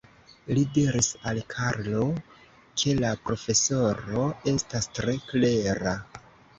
Li diris al Karlo, ke la profesoro estas tre klera.